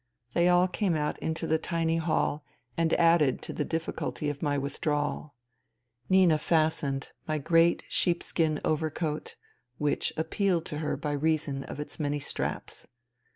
They all came out into the tiny hall and added to the difficulty of my withdrawal. Nina fastened my great sheepskin overcoat, which appealed to her by reason of its many straps.